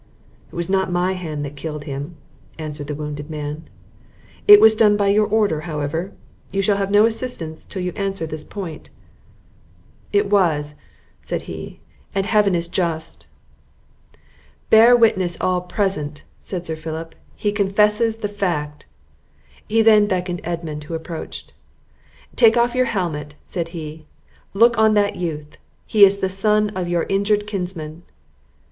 "It was not my hand that killed him," answered the wounded man. "It was done by your own order, however? You shall have no assistance till you answer this point." "It was," said he, "and Heaven is just!" "Bear witness all present," said Sir Philip; "he confesses the fact!" He then beckoned Edmund, who approached. "Take off your helmet," said he; "look on that youth, he is the son of your injured kinsman."